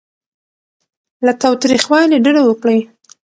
له تاوتریخوالي ډډه وکړئ.